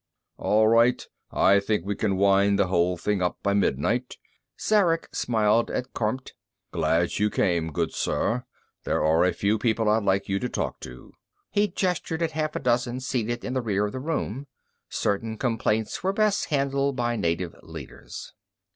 "All right. I think we can wind the whole thing up by midnight." Zarek smiled at Kormt. "Glad you came, good sir. There are a few people I'd like you to talk to." He gestured at half a dozen seated in the rear of the room. Certain complaints were best handled by native leaders.